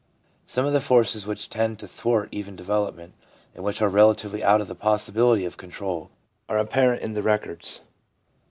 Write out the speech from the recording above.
Some of the forces which tend to thwart even development, and which are relatively out of the possibility of control, are apparent in the records.